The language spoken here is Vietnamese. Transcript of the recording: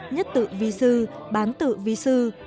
nhất tự vi sư bán tự vi sư